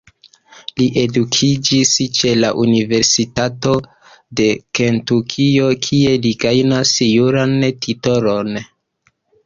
Li edukiĝis ĉe la Universitato de Kentukio kie li gajnas juran titolon.